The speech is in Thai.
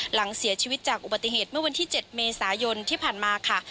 หลังเสียชีวิตจากอุบัติเหตุเมื่อวันที่๗เมษายนที่ผ่านมาค่ะ